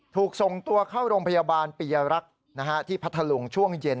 ถูกส่งตัวเข้าโรงพยาบาลปียรักษ์ที่พัทธลุงช่วงเย็น